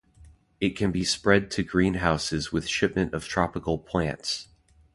It can be spread to greenhouses with shipments of tropical plants.